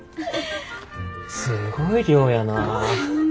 すごい量やなぁ。